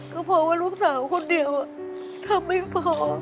ก็เพราะว่าลูกสาวคนเดียวทำไม่พอ